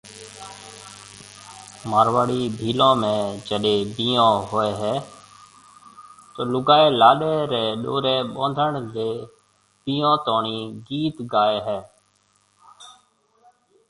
مارواڙي ڀيلون ۾ جڏي بيھونهوئي هي تو لُگائي لاڏي ري ڏوري ٻانڌڻ لي بيھونتوڻي گيت گاوي هي